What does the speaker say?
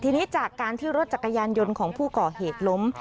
ทีนี้จากการที่รถจักรยานยนต์ของผู้ก่อเหตุล้ม